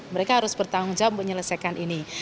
mereka harus bertanggung jawab menyelesaikan ini